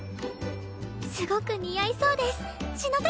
すごく似合いそうです篠崎